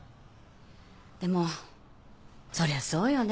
でもそりゃそうよね。